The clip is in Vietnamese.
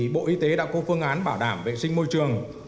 bộ y tế đã có phương án bảo đảm vệ sinh môi trường